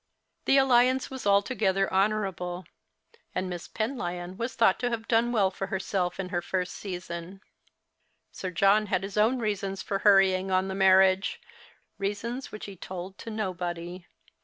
The alliance was altogether honourable ; and Miss Penlyon was thought to have done well for herself in her first season. Sir John had his own reasons for hurrying on the marriage, reasons which he told to nobody.